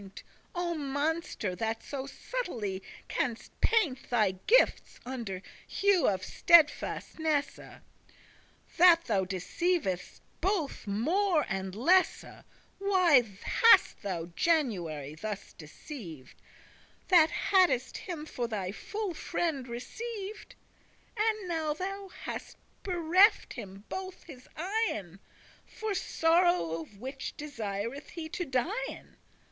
* *strange O monster, that so subtilly canst paint Thy giftes, under hue of steadfastness, That thou deceivest bothe *more and less!* *great and small* Why hast thou January thus deceiv'd, That haddest him for thy full friend receiv'd? And now thou hast bereft him both his eyen, For sorrow of which desireth he to dien.